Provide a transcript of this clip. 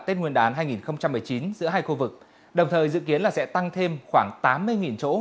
tết nguyên đán hai nghìn một mươi chín giữa hai khu vực đồng thời dự kiến là sẽ tăng thêm khoảng tám mươi chỗ